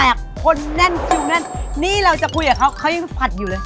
คนแน่นคิวแน่นนี่เราจะคุยกับเขาเขายังผัดอยู่เลย